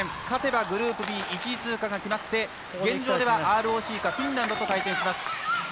勝てばグループＢ１位通過が決まって現状ではＲＯＣかフィンランドと対戦します。